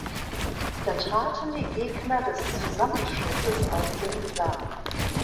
Da traten die Gegner des Zusammenschlusses auf den Plan.